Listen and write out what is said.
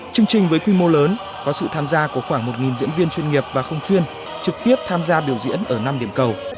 chương trình với quy mô lớn có sự tham gia của khoảng một diễn viên chuyên nghiệp và không chuyên trực tiếp tham gia biểu diễn ở năm điểm cầu